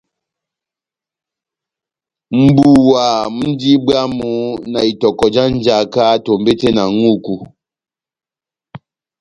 Mʼbuwa múndi bwámu na itɔkɔ já njaka tombete na ŋʼhúku,